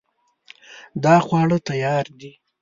دا خواړه تیار دي